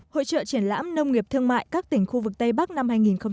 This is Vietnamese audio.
hội trợ triển lãm nông nghiệp thương mại các tỉnh khu vực tây bắc năm hai nghìn hai mươi